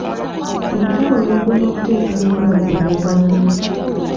Olutalo lwaggwa na kuteeka mikono ku ndagaano.